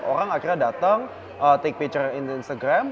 orang akhirnya datang take picture instagram